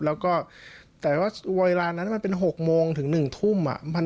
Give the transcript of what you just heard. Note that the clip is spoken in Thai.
แล้วก็แต่ว่าเวลานั้นมันเป็น๖โมงถึง๑ทุ่ม